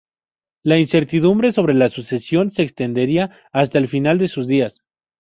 La incertidumbre sobre la sucesión se extendería hasta el final de sus días.